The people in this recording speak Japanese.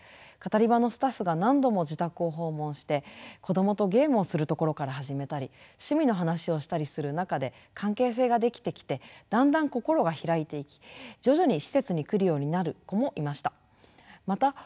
カタリバのスタッフが何度も自宅を訪問して子どもとゲームをするところから始めたり趣味の話をしたりする中で関係性が出来てきてだんだん心が開いていき徐々に施設に来るようになる子もいました。